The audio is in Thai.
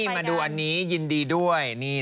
มาดูอันนี้ยินดีด้วย